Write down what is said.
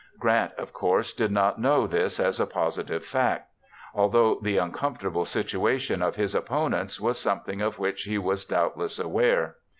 Grant, of course, did not know this as a positive fact, although the uncomfortable situation of his opponents was something of which he was doubtless aware.